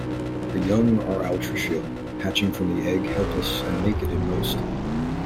The young are altricial, hatching from the egg helpless and naked in most.